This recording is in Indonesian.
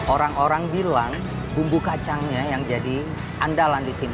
orang orang bilang bumbu kacangnya yang jadi andalan di sini